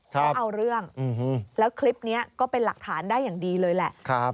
เขาเอาเรื่องแล้วคลิปนี้ก็เป็นหลักฐานได้อย่างดีเลยแหละ